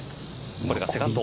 これがセカンド。